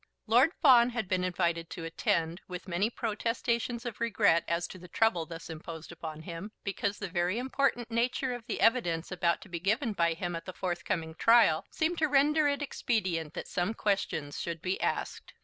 Lord Fawn had been invited to attend, with many protestations of regret as to the trouble thus imposed upon him, because the very important nature of the evidence about to be given by him at the forthcoming trial seemed to render it expedient that some questions should be asked.